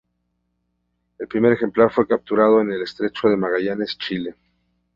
El primer ejemplar fue capturado en el estrecho de Magallanes, Chile.